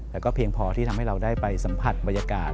แต่ก็เพียงพอที่ทำให้เราได้ไปสัมผัสบรรยากาศ